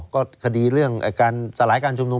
ก็คดีเรื่องการสลายการชุมนุม